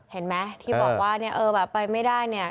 เห็นไหมที่บอกว่าเนี่ยเออแบบไปไม่ได้เนี่ย